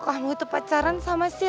kalo kamu pacaran sama si